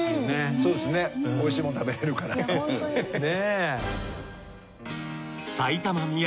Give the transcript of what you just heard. そうですねおいしいもの食べられるからね。ね！